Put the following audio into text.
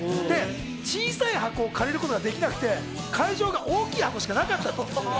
小さい箱を借りることができなくて、大きい箱しかなかったんですって。